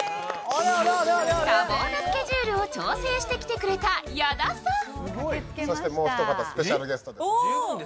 多忙なスケジュールを調整してきてくれた矢田さん。